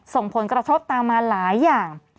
ส่งผลกระทบตามมาหลายอย่าง